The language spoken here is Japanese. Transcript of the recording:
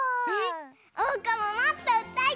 おうかももっとうたいたい！